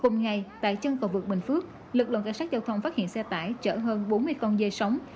hôm nay tại chân cầu vực bình phước lực lượng cảnh sát giao thông phát hiện xe tải chở hơn bốn mươi con dây sống